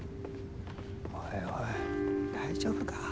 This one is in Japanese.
おいおい大丈夫か？